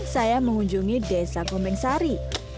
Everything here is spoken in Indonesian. saya mengunjungi desa gombengsari